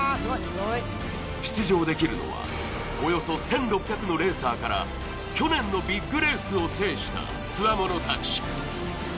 出場できるのはおよそ１６００のレーサーから去年のビッグレースを制したつわものたち。